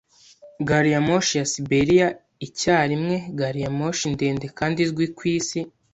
Gari ya moshi ya Siberiya icyarimwe gari ya moshi ndende kandi izwi kwisi.